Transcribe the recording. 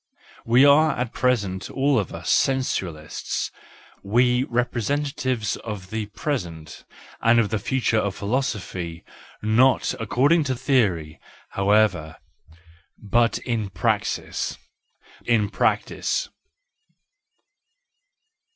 We are at present all of us sensualists, we representatives of the present and of the future in philosophy,— not according to theory, however, but in praxis , in practice.